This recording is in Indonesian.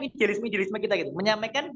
idealisme idealisme kita gitu menyampaikan